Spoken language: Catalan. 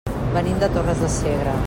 Venim de Torres de Segre.